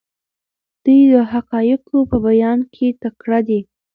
دی د حقایقو په بیان کې تکړه دی.